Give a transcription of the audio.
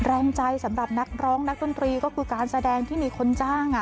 แรงใจสำหรับนักร้องนักดนตรีก็คือการแสดงที่มีคนจ้าง